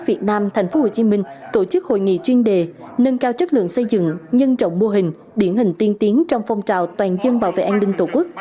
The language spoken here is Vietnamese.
công an thành phố hồ chí minh tổ chức hội nghị chuyên đề nâng cao chất lượng xây dựng nhân trọng mô hình điển hình tiên tiến trong phong trào toàn dân bảo vệ an ninh tổ quốc